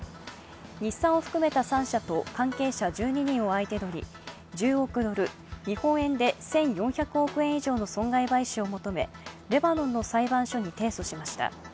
日産を含めた３社と関係者１２人を相手取り、１０億ドル、日本円で１４００億円以上の損害賠償を求めレバノンの裁判所に提訴しました。